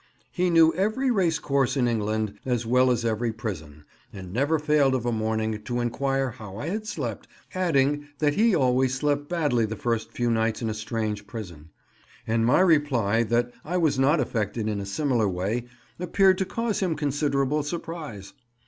He knew every racecourse in England as well as every prison, and never failed of a morning to inquire how I had slept, adding, that he always slept badly the first few nights in a strange prison; and my reply that I was not affected in a "similar way" appeared to cause him considerable surprise.